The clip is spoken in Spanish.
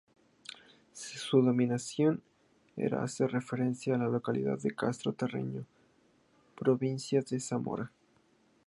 Su denominación hace referencia a la localidad de Castro-Terreño, provincia de Zamora.